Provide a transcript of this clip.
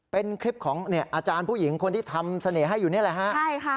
เป็นคลิปของอาจารย์ผู้หญิงคนที่ทำเสน่ห์ให้อยู่นี่แหละฮะใช่ค่ะ